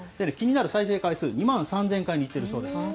気になる再生回数２万３０００回もいってるそうです。